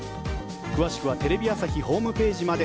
詳しくはテレビ朝日ホームページまで。